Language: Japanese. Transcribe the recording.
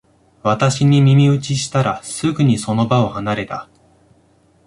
私に耳打ちしたら、すぐにその場を離れた